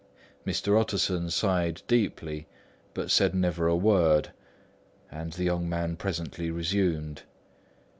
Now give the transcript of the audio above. Mr. Utterson sighed deeply but said never a word; and the young man presently resumed.